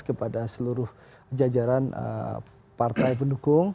kepada seluruh jajaran partai pendukung